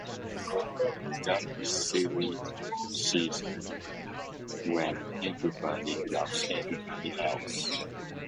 That silly season when everybody loves everybody else!